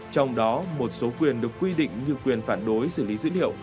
trong đó một số quyền được quy định như quyền phản đối xử lý dữ liệu